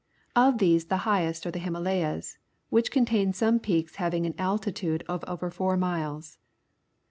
Of these the highest are the Himala3"as, which contain some peaks having an altitude of over four miles.